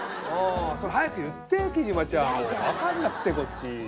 それ早く言って貴島ちゃん分かんなくてこっち。